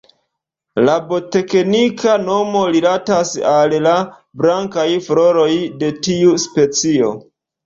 La botanika nomo rilatas al la blankaj floroj de tiu specio.